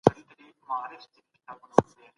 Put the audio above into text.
ما پرون د سبا لپاره د نوټونو يادونه وکړه.